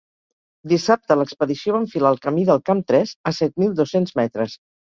Dissabte, l’expedició va enfilar el camí del camp tres, a set mil dos-cents metres.